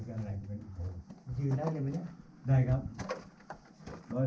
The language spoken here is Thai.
๑๖๐เมตรนี่ผมยืนได้เลย